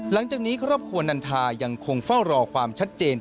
หลังจากนี้ครอบครัวนันทายังคงเฝ้ารอความชัดเจน